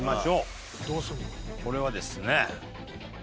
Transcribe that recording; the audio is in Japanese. これはですね。